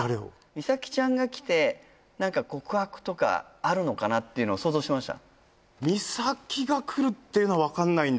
美彩ちゃんが来て何か告白とかあるのかなっていうのは想像してました？